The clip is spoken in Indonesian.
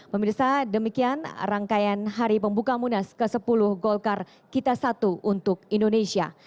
pemirsa demikian rangkaian hari pembuka munas ke sepuluh golkar kita satu untuk indonesia